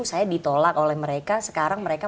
saya ditolak oleh mereka sekarang mereka